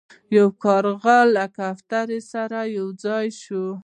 یو کارغه له کوترو سره یو ځای شو.